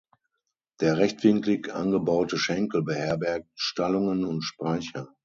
Der rechtwinklig angebaute Schenkel beherbergt Stallungen und Speicher.